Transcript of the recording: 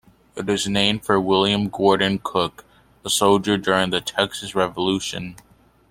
It is named for William Gordon Cooke, a soldier during the Texas Revolution.